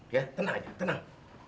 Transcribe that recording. ya tenang aja tenang